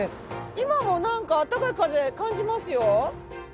今もなんかあったかい風感じますよ。